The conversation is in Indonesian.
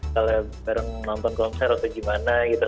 kalau bareng nonton konser atau gimana gitu